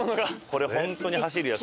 これホントに走るやつ。